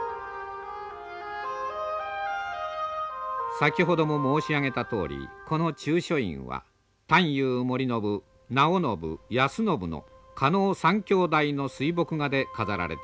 先ほども申し上げたとおりこの中書院は探幽守信尚信安信の狩野３兄弟の水墨画で飾られています。